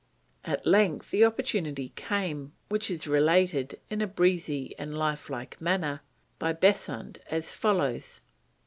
At length the opportunity came, which is related, in a breezy and life like manner, by Besant as follows.